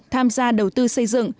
tham gia đầu tư xây dựng